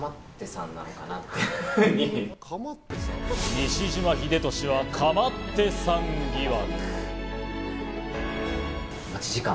西島秀俊はかまってさん疑惑。